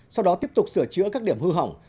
sau đó tiếp tục sửa chữa các điểm hư hỏng